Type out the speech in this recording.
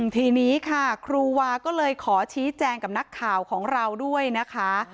ทีนี้ค่ะครูวาก็เลยขอชี้แจงกับนักข่าวของเราด้วยนะคะ